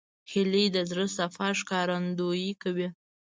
هیلۍ د زړه صفا ښکارندویي کوي